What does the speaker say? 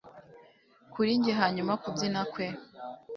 kuri njye hanyuma kubyina kwe